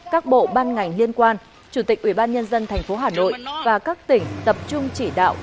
các bộ ban ngành liên quan chủ tịch ủy ban nhân dân thành phố hà nội và các tỉnh tập trung chỉ đạo